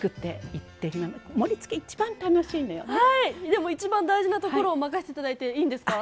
でも一番大事なところを任せて頂いていいんですか？